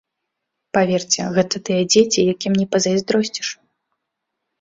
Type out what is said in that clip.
Паверце, гэта тыя дзеці, якім не пазайздросціш.